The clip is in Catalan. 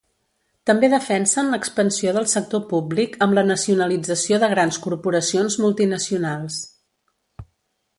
També defensen l'expansió del sector públic amb la nacionalització de grans corporacions multinacionals.